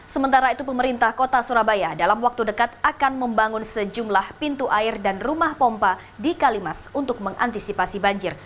sementara itu pemerintah kota surabaya dalam waktu dekat akan membangun sejumlah pintu air dan rumah pompa di kalimas untuk mengantisipasi banjir